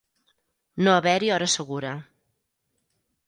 No haver-hi hora segura.